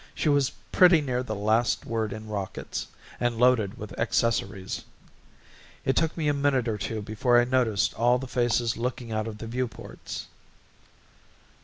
She was pretty near the last word in rockets and loaded with accessories. It took me a minute or two before I noticed all the faces looking out of the viewports.